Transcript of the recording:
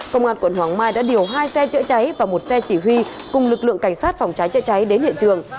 công an quận hoàng mai đã điều hai xe chữa cháy và một xe chỉ huy cùng lực lượng cảnh sát phòng cháy chữa cháy đến hiện trường